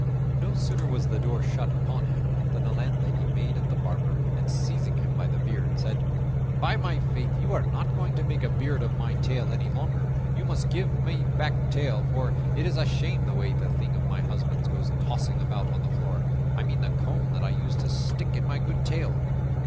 No sooner was the door shut upon him than the landlady made at the barber, and seizing him by the beard, said: "By my faith you are not going to make a beard of my tail any longer; you must give me back my tail, for it is a shame the way that thing of my husband's goes tossing about on the floor; I mean the comb that I used to stick in my good tail."